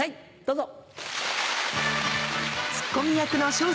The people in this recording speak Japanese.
どうぞ。